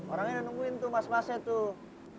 orangnya udah nemuin tuh mas masnya tuh